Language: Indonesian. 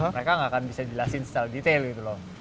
mereka nggak akan bisa jelasin secara detail gitu loh